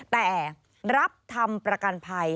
แต่รับทำประกันภัย